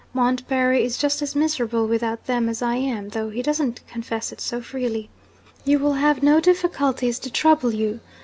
Montbarry is just as miserable without them as I am though he doesn't confess it so freely. You will have no difficulties to trouble you.